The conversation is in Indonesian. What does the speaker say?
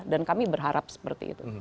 dan kami berharap seperti itu